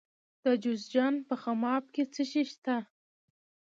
د جوزجان په خماب کې څه شی شته؟